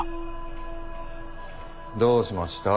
どうしました？